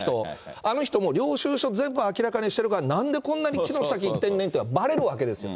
あの人も領収書全部明らかにしてるから、なんでこんなに城崎行ってんねんっていうのがばれるわけですよ。